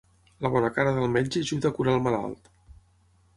La bona cara del metge ajuda a curar el malalt.